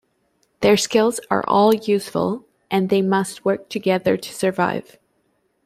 Their skills are all useful, and they must work together to survive.